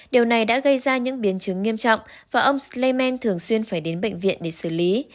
điều này đã gây ra những biến chứng nghiêm trọng và ông sleymen thường xuyên phải đến bệnh viện để xử lý